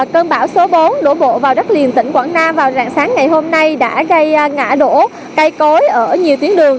cơn bão số bốn đổ bộ vào đất liền tỉnh quảng nam vào rạng sáng ngày hôm nay đã gây ngã đổ cây cối ở nhiều tuyến đường